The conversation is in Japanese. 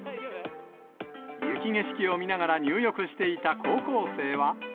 雪景色を見ながら入浴していた高校生は。